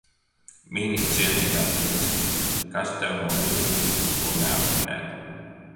Mini, cienīgā princese. Kas tev no viņa mīklas ko neatminēt.